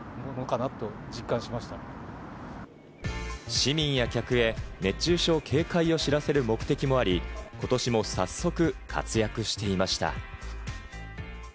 市民や客へ熱中症警戒を知らせる目的もあり、ことしも早速、活躍していました。